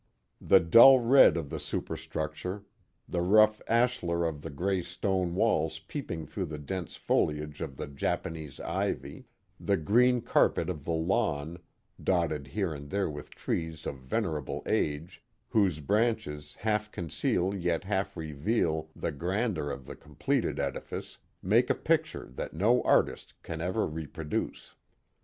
The dull red of the superstructure, the rough ashler of the gray stone walls peeping through the dense foliage of the Jap anese ivy, the green carpet of the lawn, dotted here and there with trees of venerable age, whose branches half conceal yet half reveal " the grandeur of the completed edifice, make a picture that no artist can ever reproduce.